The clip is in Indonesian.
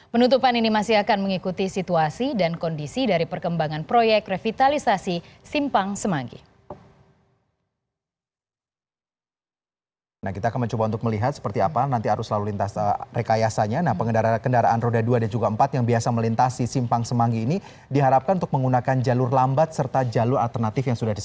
penutupan ini masih akan mengikuti situasi dan kondisi dari perkembangan proyek revitalisasi simpang semanggi